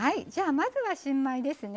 まずは、新米ですね。